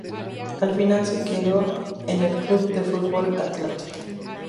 Al final se quedó en el Club de Fútbol Atlante.